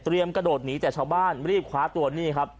กระโดดหนีแต่ชาวบ้านรีบคว้าตัวนี่ครับ